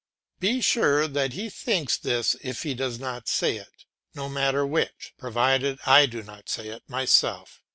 Be sure that he thinks this if he does not say it; no matter which, provided I do not say it myself.